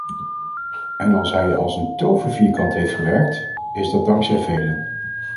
En als hij als een tovervierkant heeft gewerkt, is dat dankzij velen.